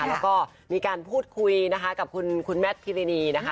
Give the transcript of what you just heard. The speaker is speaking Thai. แล้วก็มีการพูดคุยนะคะกับคุณแมทพิรินีนะคะ